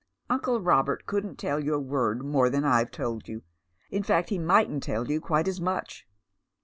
" Uncle Robert couldn't toll you a word more than I've told you. In fact, he mightn't tell you quite as much."